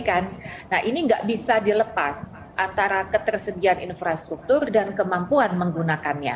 kepada kesehatan infrastruktur dan kemampuan menggunakannya